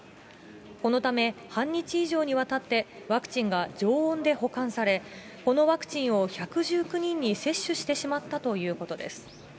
このため半日以上にわたって、ワクチンが常温で保管され、このワクチンを１１９人に接種してしまったということです。